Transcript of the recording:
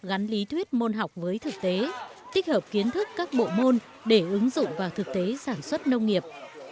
gắn lý thuyết môn học với thực tế tích hợp kiến thức các bộ môn để ứng dụng vào thực tế sản xuất nông nghiệp